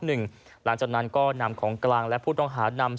หลังจากนั้นก็นำของกลางและผู้ต้องหานำ